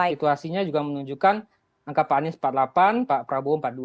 situasinya juga menunjukkan angka pak anies empat puluh delapan pak prabowo empat puluh dua